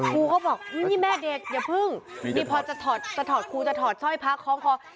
ครูก็บอกนี่แม่เด็กอย่าเพิ่งนี่พอจะถอดครูจะถอดสร้อยพระคล้องคอ